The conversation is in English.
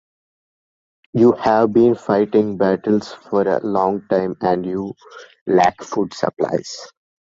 You have been fighting battles for a long time and you lack food supplies.